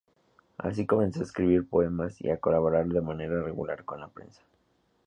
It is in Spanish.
Así, comenzó a escribir poemas y a colaborar de manera regular con la prensa.